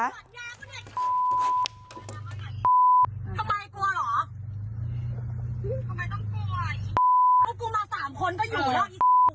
ทำไมกลัวเหรอทำไมต้องกลัวพวกกูมาสามคนก็อยู่แล้ว